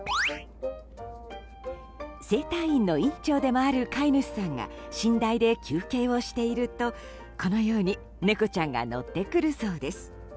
整体院の院長でもある飼い主さんが寝台で休憩をしているとこのように猫ちゃんが乗ってくるそうです。